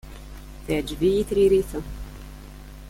Teɛǧeb-iyi tririt-a.